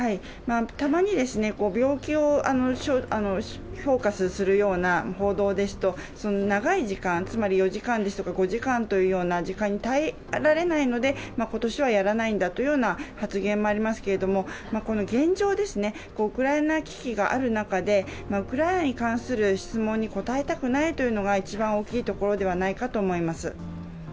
たまに病気をフォーカスするような報道ですと長い時間、つまり４時間、５時間という時間に耐えられないので今年はやらないんだという発言もありますけれども、現状、ウクライナ危機がある中で、ウクライナに関する質問に答えたくないというのが一番大きいところではないかと思います。